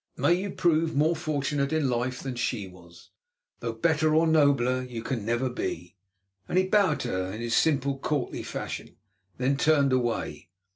May you prove more fortunate in life than she was, though better or nobler you can never be," and he bowed to her in his simple, courtly fashion, then turned away.